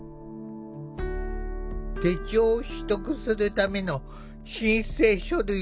手帳を取得するための申請書類を出す時も。